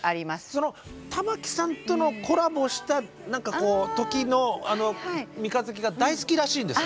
その玉置さんとのコラボした時の「三日月」が大好きらしいんですね。